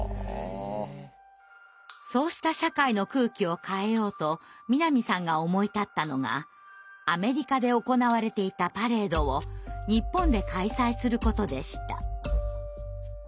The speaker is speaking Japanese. そうした社会の空気を変えようと南さんが思い立ったのがアメリカで行われていたパレードを日本で開催することでした。